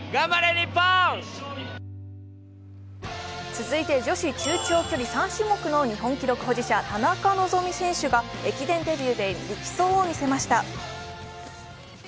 続いて女子中長距離３記録保持者の田中希実選手が駅伝デビューで力走を見せました。